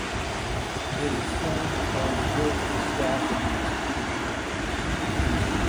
It is formed by the work of the staff of the institution.